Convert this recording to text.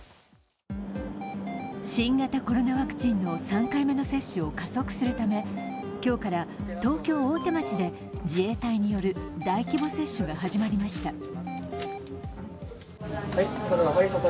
新型コロナワクチンの３回目の接種を加速するため今日から東京・大手町で自衛隊による大規模接種が始まりました。